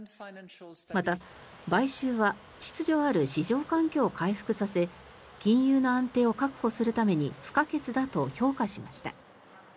また、買収は秩序ある市場環境を回復させ金融の安定を確保するために不可欠だと評価しました。